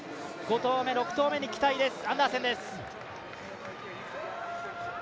５投目、６投目に期待です。